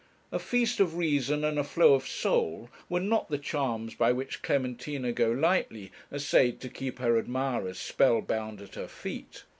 'A feast of reason and a flow of soul' were not the charms by which Clementina Golightly essayed to keep her admirers spell bound at her feet.